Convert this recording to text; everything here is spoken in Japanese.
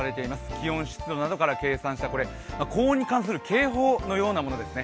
気温・湿度などから計算した高温に関する警報のようなものですね。